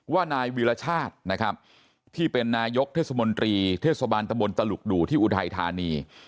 ว่านายวีรชาตินะครับที่เป็นนายกเทศมนตรีเทศบาลตะบนตลุกดู่ที่อุทัยธานี